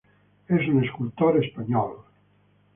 Es un escultor español.